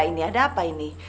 ini ada apa ini